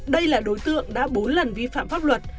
đây là đối tượng đã bốn lần vi phạm pháp luật